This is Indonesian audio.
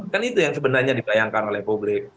kan itu yang sebenarnya dibayangkan oleh publik